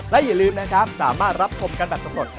และอย่าลืมนะครับสามารถรับชมกันแบบสำรวจ